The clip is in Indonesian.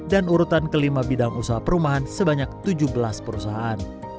dan urutan kelima bidang usaha perumahan sebanyak tujuh belas perusahaan